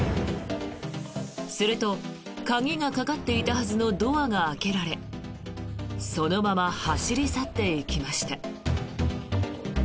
すると、鍵がかかっていたはずのドアが開けられそのまま走り去っていきました。